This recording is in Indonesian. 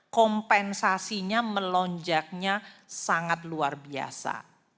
kompensasinya melonjaknya sangat luar biasa